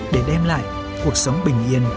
để đem lại cuộc sống bình yên